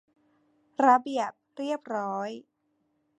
ระเบียบเรียบร้อย